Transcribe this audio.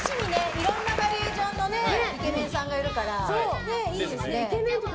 いろんなバリエーションのイケメンさんがいるからいいですね。